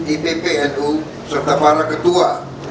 ippnu serta para ketua